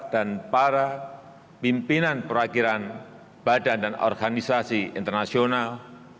dan para pimpinan perwakilan badan dan organisasi internasional